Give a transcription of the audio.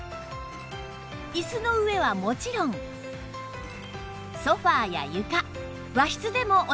椅子の上はもちろんソファや床和室でもお使い頂けます